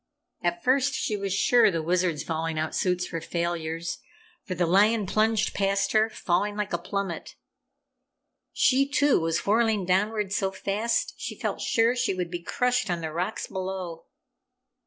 At first she was sure the Wizard's falling out suits were failures, for the lion plunged past her, falling like a plummet. She, too, was whirling downward so fast she felt sure she would be crushed on the rocks below.